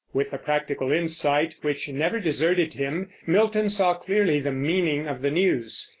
With the practical insight which never deserted him Milton saw clearly the meaning of the news.